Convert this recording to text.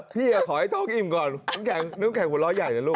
พี่ขอให้ท้องอิ่มก่อนนึกแค่หัวเราะใหญ่เลยลูก